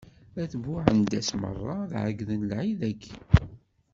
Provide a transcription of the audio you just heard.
At Buɛendas meṛṛa ad ɛeggden lɛid-agi.